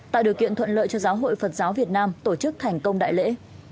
tạo điều kiện thuận lợi cho giáo hội phật giáo việt nam tổ chức thành công đại lễ